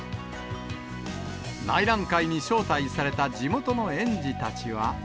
内覧会に招待された地元の園児たちは。